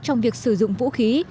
trong việc sử dụng vũ khí